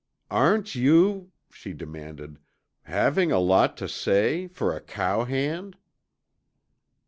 "Aren't you," she demanded, "having a lot to say for a cowhand?"